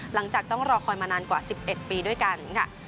หลังจากต้องรอคอยมานานกว่า๑๑ปีด้วยกันค่ะ